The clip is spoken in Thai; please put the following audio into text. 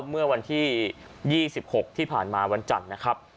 เมื่อวันที่๒๖ที่ผ่านมาวันจันทร์นะครับ